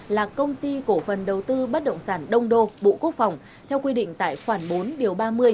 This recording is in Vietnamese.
là công ty cổ phần đầu tư bất động sản đông đô bộ quốc phòng theo quy định tại khoản bốn điều ba mươi